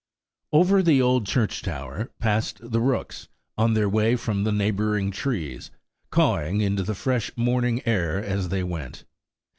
OVER the old church tower passed the rooks, on their way from the neighboring trees, cawing into the fresh morning air as they went.